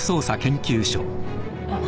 あっ。